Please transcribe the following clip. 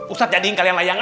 ustadz jadiin kalian layangan